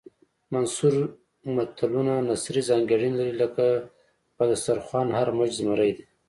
منثور متلونه نثري ځانګړنې لري لکه په دسترخوان هر مچ زمری دی